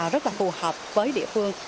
rất là phù hợp với địa phương